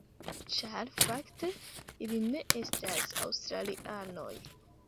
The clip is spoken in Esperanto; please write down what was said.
Ĉar fakte, ili ne estas aŭstralianoj.